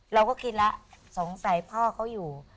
เราก็คิดแล้วสงสัยพ่อเขาอยู่